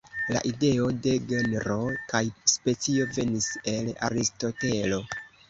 La ideo de genro kaj specio venis el Aristotelo.